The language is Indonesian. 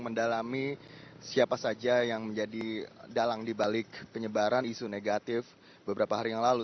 mendalami siapa saja yang menjadi dalang dibalik penyebaran isu negatif beberapa hari yang lalu